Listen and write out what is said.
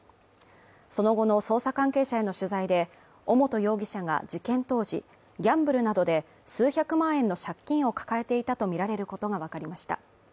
その後の捜査関係者への取材で尾本容疑者が事件当時、ギャンブルなどで数百万円の借金を抱えていたとみられることがわかりました。